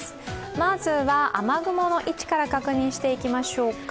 まずは雨雲の位置から確認していきましょうか。